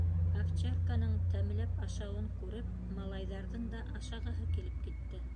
Овчарканың тәмләп ашауын күреп, малайҙарҙың да ашағыһы килеп китте.